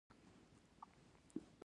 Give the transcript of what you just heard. دسترخان به ډک شي.